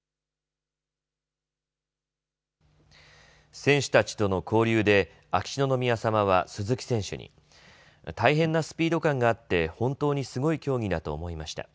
選手たちとの交流で秋篠宮さまは鈴木選手に大変なスピード感があって本当にすごい競技だと思いました。